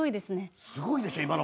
すごいですよ